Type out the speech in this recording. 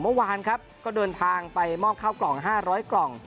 เมื่อวานครับก็เดินทางไปมอบข้าวกล่อง๕๐๐กล่อง